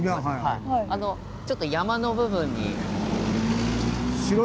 あのちょっと「山」の部分に。